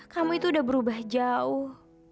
kamu itu udah berubah jauh